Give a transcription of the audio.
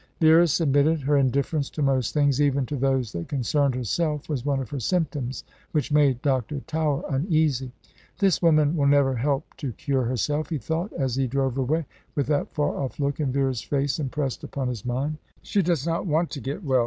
Vera submitted. Her indifference to most things, even to those that concerned herself, was one of her symptoms which made Dr. Tower uneasy. "This woman will never help to cure herself," he thought, as he drove away, with that far off look in Vera's face impressed upon his mind. "She does not want to get well.